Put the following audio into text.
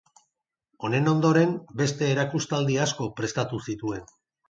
Honen ondoren beste erakustaldi asko prestatu zituen.